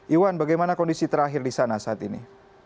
iwan bagaimana kondisi terakhir di sana saat ini